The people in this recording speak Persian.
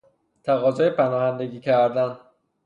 تقاضای پناهندگی کردن